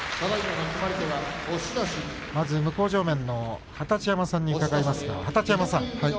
向正面の二十山さんに伺います。